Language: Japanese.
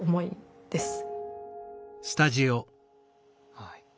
はい。